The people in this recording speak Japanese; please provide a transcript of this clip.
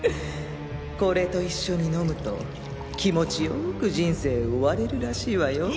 これと一緒に飲むと気持ちよく人生終われるらしいわよ。